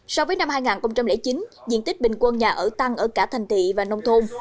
so với năm hai nghìn chín diện tích bình quân nhà ở tăng ở cả thành thị và nông thôn